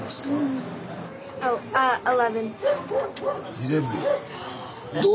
イレブン。